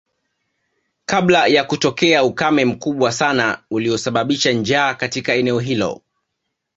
Kabla ya kutokea ukame mkubwa sana uliosababisha njaa katika eneo hilo